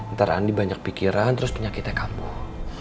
ntar andi banyak pikiran terus penyakitnya kampuh